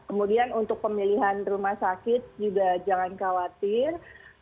kemudian untuk pemilihan rumah sakit juga jangan khawatir